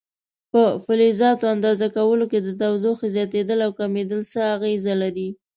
په فلزاتو اندازه کولو کې د تودوخې زیاتېدل او کمېدل څه اغېزه لري؟